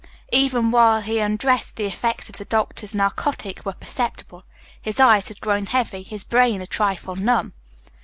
Even while he undressed the effects of the doctor's narcotic were perceptible. His eyes had grown heavy, his brain a trifle numb.